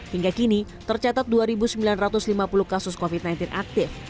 hingga kini tercatat dua sembilan ratus lima puluh kasus covid sembilan belas aktif